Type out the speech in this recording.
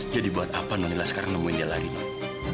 jadi buat apa nonnila sekarang nemuin dia lagi non